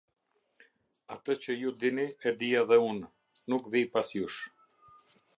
Atë që ju dini e di edhe unë; nuk vij pas jush.